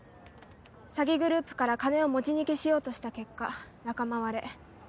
詐欺グループから金を持ち逃げしようとした結果仲間割れ。